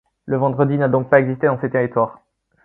Le vendredi n'a donc pas existé dans ces territoires.